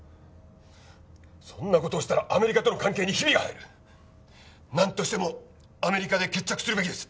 そんなことをしたらアメリカとの関係にヒビが入る何としてもアメリカで決着するべきです